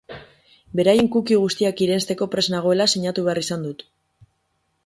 Beraien cookie guztiak irensteko prest nagoela sinatu behar izan dut.